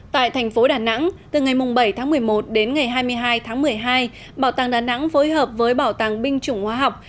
tại thành phố đà nẵng từ ngày bảy tháng một mươi một đến ngày hai mươi hai tháng một mươi hai bảo tàng đà nẵng phối hợp với bảo tàng binh chủng hóa học